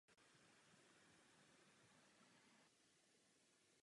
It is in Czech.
Vegetaci v oblasti lze rozdělit do čtyř hlavních zón.